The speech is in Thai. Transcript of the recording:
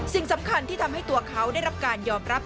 สิ่งสำคัญที่ทำให้ตัวเขาได้รับการยอมรับ